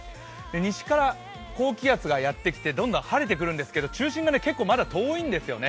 西から高気圧がやってきて、どんどん晴れてくるんですけど、中心がまだ遠いんですよね。